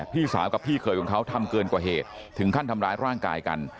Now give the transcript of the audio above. พี่สาวกับพี่เคยของเขาทำเกินกว่าเหตุถึงขั้นทำร้ายร่างกายกัน